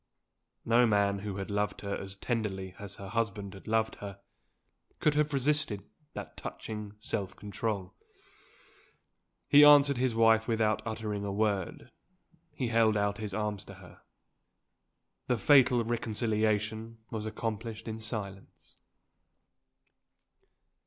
No man who had loved her as tenderly as her husband had loved her, could have resisted that touching self control. He answered his wife without uttering a word he held out his arms to her. The fatal reconciliation was accomplished in silence.